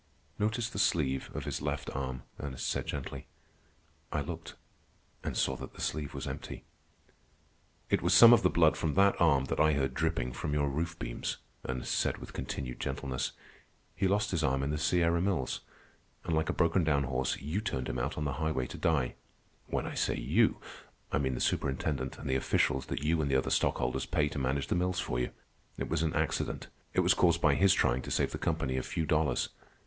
"Notice the sleeve of his left arm," Ernest said gently. I looked, and saw that the sleeve was empty. "It was some of the blood from that arm that I heard dripping from your roof beams," Ernest said with continued gentleness. "He lost his arm in the Sierra Mills, and like a broken down horse you turned him out on the highway to die. When I say 'you,' I mean the superintendent and the officials that you and the other stockholders pay to manage the mills for you. It was an accident. It was caused by his trying to save the company a few dollars.